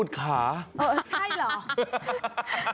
ใช่หรอ